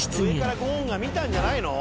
上からゴーンが見たんじゃないの？